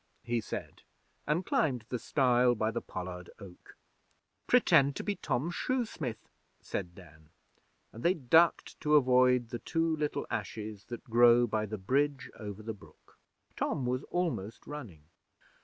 he said, and climbed the stile by the pollard oak. 'Pretend to be Tom Shoesmith,' said Dan, and they ducked to avoid the two little ashes that grow by the bridge over the brook. Tom was almost running.